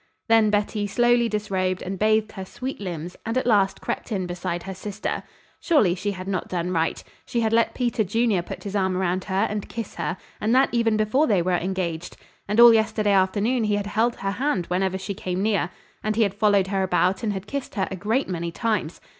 Then Betty slowly disrobed and bathed her sweet limbs and at last crept in beside her sister. Surely she had not done right. She had let Peter Junior put his arm around her and kiss her, and that even before they were engaged; and all yesterday afternoon he had held her hand whenever she came near, and he had followed her about and had kissed her a great many times.